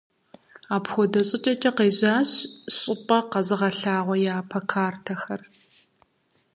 Апхуэдэ щӀыкӀэкӀэ къежьащ щӀыпӀэ къэзыгъэлъагъуэ япэ картэхэр.